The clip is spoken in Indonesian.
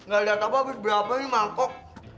gak liat apa apa habis berapa ini mangkok